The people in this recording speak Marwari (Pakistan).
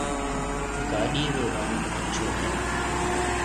گاڏِي رو رنگ اڇو ھيََََ